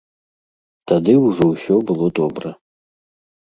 Тады ўжо ўсё было добра.